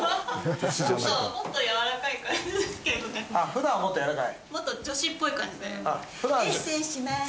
普段はもっと柔らかい？